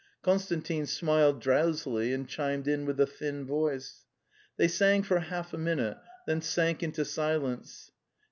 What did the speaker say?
Konstantin smiled drowsily and chimed in with a thin voice. They sang for half a minute, then sank into silence.